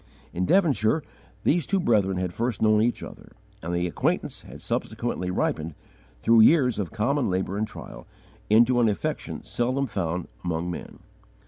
In Devonshire these two brethren had first known each other, and the acquaintance had subsequently ripened, through years of common labour and trial, into an affection seldom found among men.